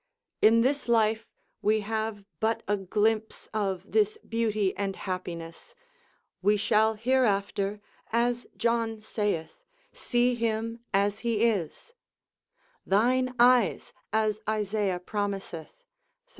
In this life we have but a glimpse of this beauty and happiness: we shall hereafter, as John saith, see him as he is: thine eyes, as Isaiah promiseth, xxxiii.